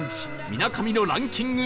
みなかみのランキング